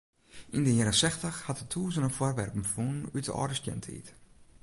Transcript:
Yn de jierren sechstich hat er tûzenen foarwerpen fûn út de âlde stientiid.